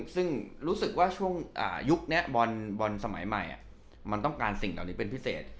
ซึ่งรู้สึกว่าช่วงยุคนี้บอลสมัยใหม่มันต้องการสิ่งเหล่านี้เป็นพิเศษ